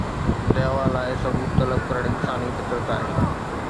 دعويٰ لاءِ ثبوت طلب ڪرڻ انساني فطرت آهي.